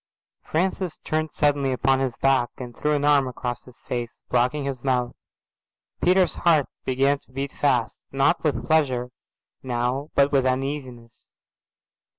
Francis turned suddenly upon his back and threw an arm across his face, blocking his mouth. Peter's heart began to beat fast, not with pleasure now but with uneasiness.